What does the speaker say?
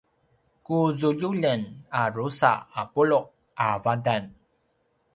ku zululjen a drusa a pulu’ a vatan